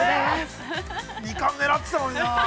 ◆二冠狙ってたのにな。